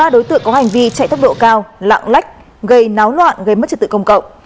một mươi ba đối tượng có hành vi chạy thấp độ cao lạng lách gây náo loạn gây mất trật tự công cộng